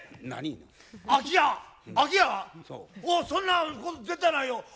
そんなこと絶対ないよ。